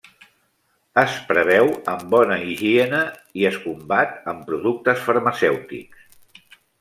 Es preveu amb bona higiene i es combat amb productes farmacèutics.